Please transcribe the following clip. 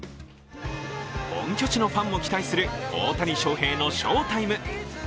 本拠地のファンも期待する大谷翔平の翔タイム。